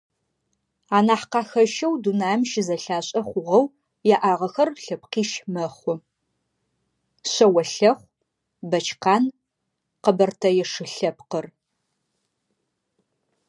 Анахь къахэщэу, дунаим щызэлъашӏэ хъугъэу яӏагъэхэр лъэпкъищ мэхъу: шъэолъэхъу, бэчкъан, къэбэртэе шы лъэпкъыр.